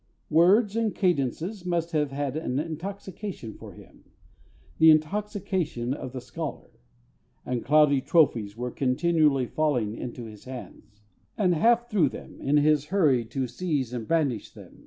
_ Words and cadences must have had an intoxication for him, the intoxication of the scholar; and "cloudy trophies" were continually falling into his hands, and half through them, in his hurry to seize and brandish them.